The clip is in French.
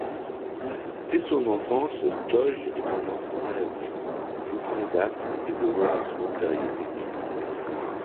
Dès son enfance Tōge est un enfant maladif, souffrant d'asthme et de vomissements périodique.